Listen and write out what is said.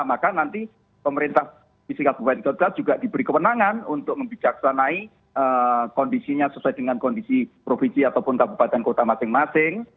maka nanti pemerintah disi kabupaten kota juga diberi kewenangan untuk membijaksanai kondisinya sesuai dengan kondisi provinsi ataupun kabupaten kota masing masing